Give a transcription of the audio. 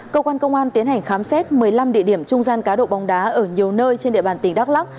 cơ quan công an tiến hành khám xét một mươi năm địa điểm trung gian cá độ bóng đá ở nhiều nơi trên địa bàn tỉnh đắk lắc